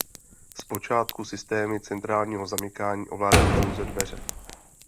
Zpočátku systémy centrálního zamykání ovládaly pouze dveře.